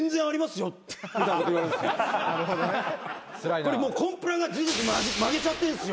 これもうコンプラが事実曲げちゃってるんですよ。